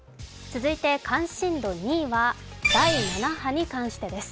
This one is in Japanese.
続いて関心度２位は第７波に関してです。